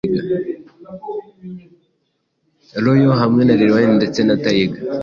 Royal hamwe na Lil Wine ndetse na Tyga